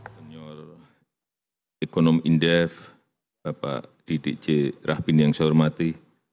senior ekonom indef bapak didik c rahbin yang saya hormati